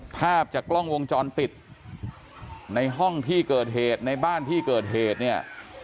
ภาพจากกล้องวงจรปิดในห้องที่เกิดเหตุในบ้านที่เกิดเหตุเนี่ย